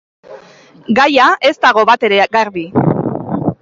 Gaia ez dago batere garbi.